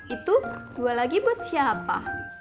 itu dua lagi buat siapa